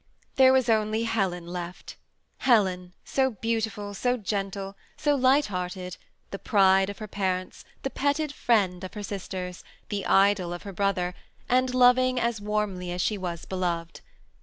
There was only Helen left, — Helen, so beautiful, so gentle, so light hearted, — the pride of her parents, the petted friend of her sisters, the idol of her brother, and loving as warmly as she was beloved.